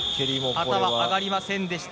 旗は上がりませんでした。